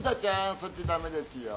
そっち駄目ですよ。